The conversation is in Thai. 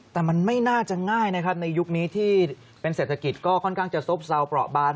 แต่มันไม่น่าจะง่ายนะครับในยุคนี้ที่เป็นเศรษฐกิจก็ค่อนข้างจะซบเซาเปราะบาน